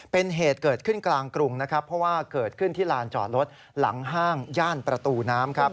เป็นเหตุเกิดขึ้นกลางกรุงนะครับเพราะว่าเกิดขึ้นที่ลานจอดรถหลังห้างย่านประตูน้ำครับ